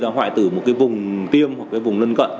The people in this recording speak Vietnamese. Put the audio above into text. gây ra hoại tử một cái vùng tiêm hoặc cái vùng lân cận